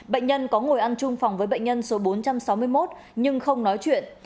bệnh nhân có ngồi ăn chung phòng với bệnh nhân số bốn trăm sáu mươi một nhưng không nói chuyện